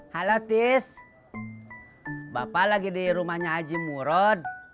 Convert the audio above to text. halo tis bapak lagi di rumahnya haji murad